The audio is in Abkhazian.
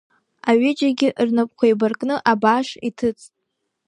Аҩыџьагьы рнапқәа еибаркны абааш иҭыҵт.